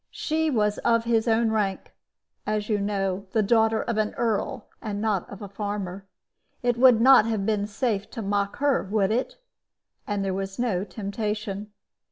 She was of his own rank as you know the daughter of an earl, and not of a farmer. It would not have been safe to mock her, would it? And there was no temptation.